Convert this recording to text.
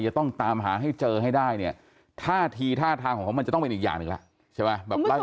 จะต้องตามหาให้เจอให้ได้เนี่ยท่าทีท่าทางของเขามันจะต้องเป็นอีกอย่างอีกแล้ว